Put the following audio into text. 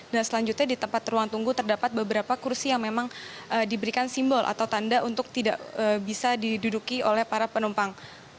dan selanjutnya di tempat ruang tunggu terdapat beberapa kursi yang memang diberikan simbol atau tanda untuk tidak bisa diduduki oleh para penumpang